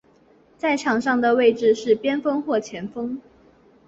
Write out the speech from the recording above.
在场上的位置是边锋或前锋。